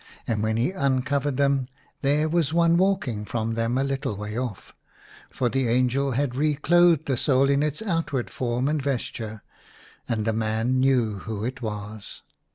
And when he uncovered them there was one walking from them a little way off; — for the angel had re clothed the soul in its outward form and vesture — and the man knew who it was.